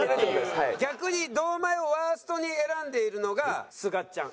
逆に堂前をワーストに選んでいるのがすがちゃん。